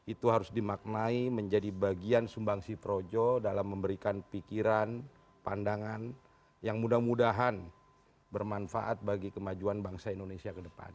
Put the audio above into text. itu harus dimaknai menjadi bagian sumbangsi projo dalam memberikan pikiran pandangan yang mudah mudahan bermanfaat bagi kemajuan bangsa indonesia ke depan